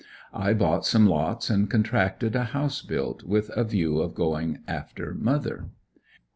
I bought some lots and contracted a house built, with a view of going after mother.